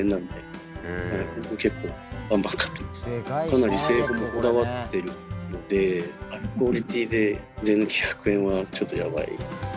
かなり製法もこだわっているのでこのクオリティーで税抜き１００円はちょっとやばい。